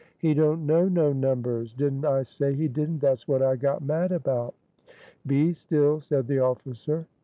"He don't know no numbers didn't I say he didn't that's what I got mad about." "Be still" said the officer.